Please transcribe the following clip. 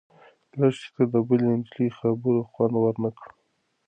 لښتې ته د بلې نجلۍ خبر خوند ورنه کړ.